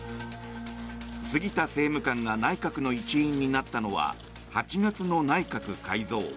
杉田政務官が内閣の一員になったのは８月の内閣改造。